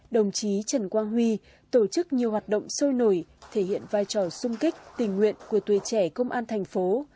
đồng chí trần quang huy tổ chức nhiều hoạt động sôi nổi thể hiện vai trò sung kích tình nguyện của tuổi trẻ công an thành phố